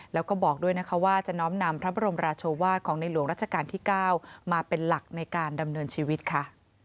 แล้วก็บอกด้วยนะคะว่าจะน้อมนำพระบรมราชวาสของในหลวงรัชกาลที่๙มาเป็นหลักในการดำเนินชีวิตค่ะ